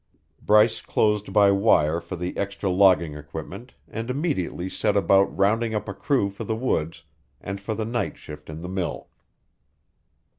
Bryce closed by wire for the extra logging equipment and immediately set about rounding up a crew for the woods and for the night shift in the mill.